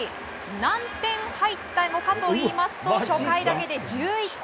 何点入ったのかというと初回だけで１１点。